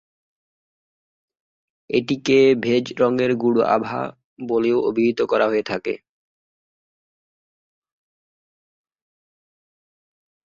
এটিকে বেজ রঙের গূঢ় আভা বলেও অভিহিত করা হয়ে থাকে।